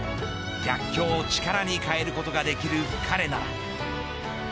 逆境を力に変えることができる彼なら。